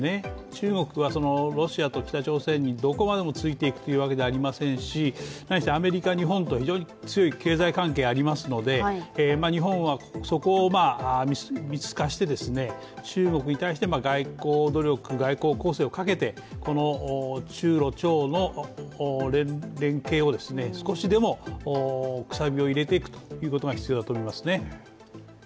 中国はロシアと北朝鮮にどこまでもついて行くというわけではありませんしアメリカ、日本と強い経済関係ありますので日本はそこを見透かして、中国に対して、外交攻勢をかけて、中ロ朝の連携を少しでもくさびを入れていくということが必要だと思いますね。